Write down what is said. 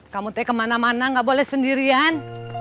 kamu teh kemana mana gak boleh sendirian